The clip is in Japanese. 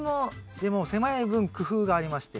でも狭い分工夫がありまして。